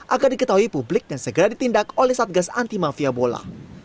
agar diketahui publik dan segera ditindak oleh satgas anti mafia bola